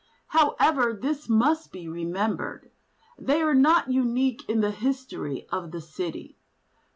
However, this must be remembered, they are not unique in the history of the city.